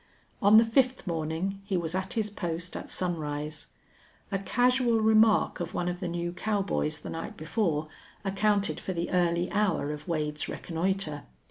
On the fifth morning he was at his post at sunrise. A casual remark of one of the new cowboys the night before accounted for the early hour of Wade's reconnoiter.